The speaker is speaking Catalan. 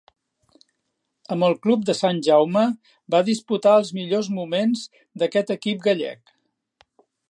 Amb el club de Sant Jaume va disputar els millors moments d'aquest equip gallec.